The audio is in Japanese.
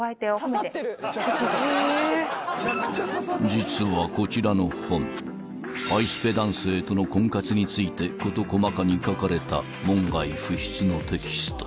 ［実はこちらの本ハイスペ男性との婚活について事細かに書かれた門外不出のテキスト］